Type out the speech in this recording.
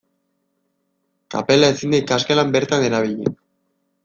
Kapela ezin da ikasgelan bertan erabili.